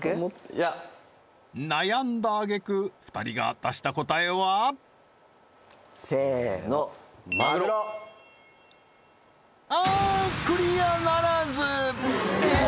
いや悩んだあげく２人が出した答えは？せーのマグロああークリアならずえっ？